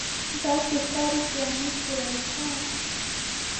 داسې ښکاري چې امیر شېر علي خان.